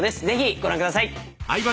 ぜひご覧ください。